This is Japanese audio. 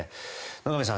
野上さん